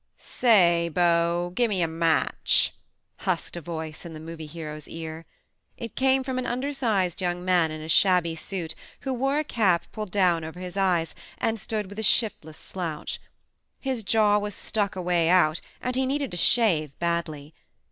"Say, bo, gimme a match," husked a voice in the Movie Hero's ear. It came from an undersized young man in a shabby suit who wore a cap pulled down over his eyes and stood with a shiftless slouch. His jaw was stuck away out and he needed a shave badly.